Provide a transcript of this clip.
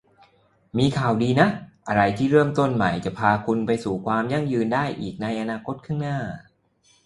มีข่าวดีนะ อะไรที่เริ่มต้นใหม่จะพาคุณไปสู่ความยั่งยืนได้อีกในอนาคตข้างหน้า